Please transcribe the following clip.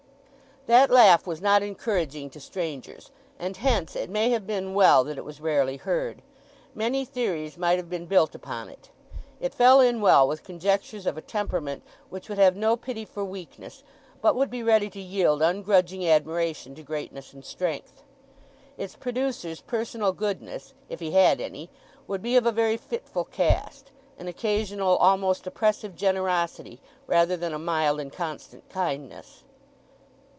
That laugh was not encouraging to strangers, and hence it may have been well that it was rarely heard. Many theories might have been built upon it. It fell in well with conjectures of a temperament which would have no pity for weakness, but would be ready to yield ungrudging admiration to greatness and strength. Its producer's personal goodness, if he had any, would be of a very fitful cast—an occasional almost oppressive generosity rather than a mild and constant kindness.